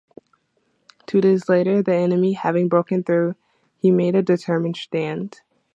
Two days later, the enemy having broken through, he made a determined stand.